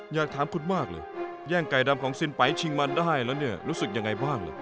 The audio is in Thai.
อยากถามคุณมากเลยแย่งไก่ดำของสินไปชิงมันได้แล้วเนี่ยรู้สึกยังไงบ้าง